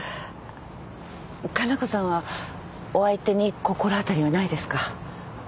加奈子さんはお相手に心当たりはないですか？